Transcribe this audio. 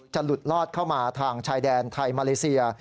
หลุดลอดเข้ามาทางชายแดนไทยมาเลเซีย